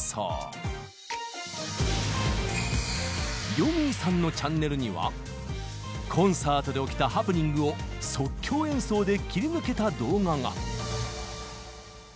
よみぃさんのチャンネルにはコンサートで起きたハプニングを即興演奏で切り抜けた動画が。